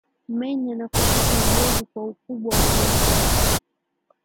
menya na kukata viazi kwa ukubwa unaotaka